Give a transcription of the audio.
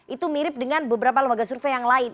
itu mirip dengan beberapa lembaga survei yang lain